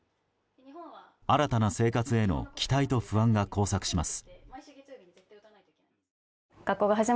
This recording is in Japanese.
新たな生活への期待と不安が交錯します。